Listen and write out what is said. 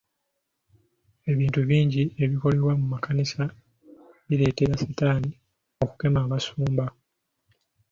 Ebintu ebingi ebikolebwa mu makanisa bireetera sitaani okukema Abasumba.